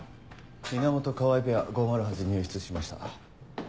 源川合ペア５０８入室しました。